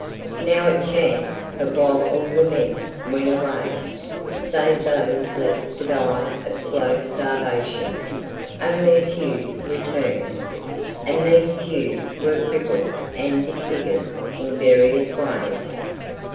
Now it chanced that while all the men went away, save those left to die of slow starvation, only a few returned, and these few were crippled and disfigured in various ways.